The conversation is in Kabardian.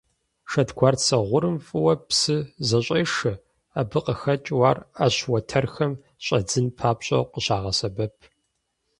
Шэдгуарцэ гъурым фӀыуэ псы зэщӀешэ, абы къыхэкӀыу ар Ӏэщ уэтэрхэм щӀэдзын папщӀэу къыщагъэсэбэп.